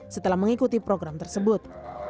setelah mengikuti program tersebut